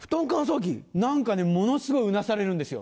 何かねものすごいうなされるんですよ。